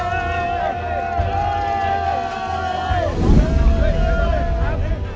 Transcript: รู้ผิดไหม